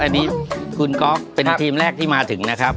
อันนี้คุณก๊อฟเป็นทีมแรกที่มาถึงนะครับ